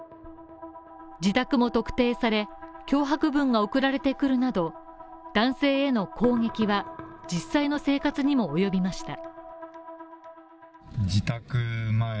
自宅も特定され、脅迫文が送られてくるなど男性への攻撃は、実際の生活にもおよびました。